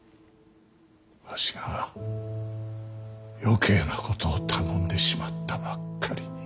わしが余計なことを頼んでしまったばっかりに。